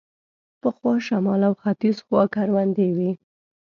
پخوا شمال او ختیځ خوا کروندې وې.